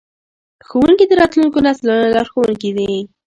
ښوونکي د راتلونکو نسلونو لارښوونکي دي.